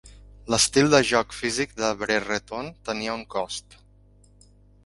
L'estil de joc físic de Brereton tenia un cost.